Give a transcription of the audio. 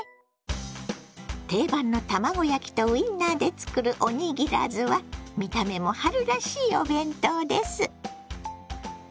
定番の卵焼きとウインナーで作るおにぎらずは見た目も春らしいお弁当です。